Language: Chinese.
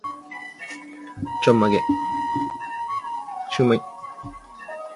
中国是世界上历史最悠久的国家之一。